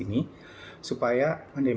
sehingga pandemi ini boleh dikendalikan